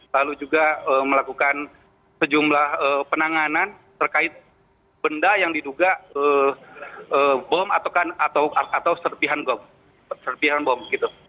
lalu juga melakukan sejumlah penanganan terkait benda yang diduga bom atau serpihan bom gitu